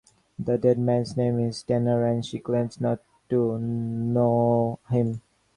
The dead man's name is Tanner and she claims not to know him.